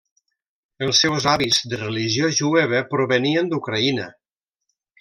Els seus avis, de religió jueva, provenien d'Ucraïna.